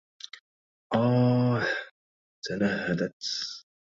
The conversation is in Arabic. أاه! تنهدت.